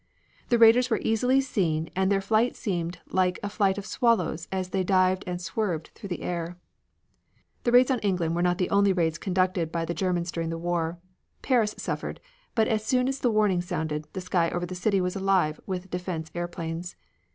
The raiders were easily seen and their flight seemed like a flight of swallows as they dived and swerved through the air. The raids on England were not the only raids conducted by the Germans during the war. Paris suffered, but as soon as the warning sounded, the sky over the city was alive with defense airplanes.